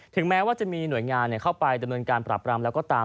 แม้ว่าจะมีหน่วยงานเข้าไปดำเนินการปรับรามแล้วก็ตาม